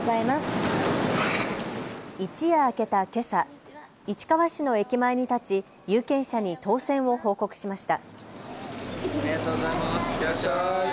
一夜明けたけさ、市川市の駅前に立ち有権者に当選を報告しました。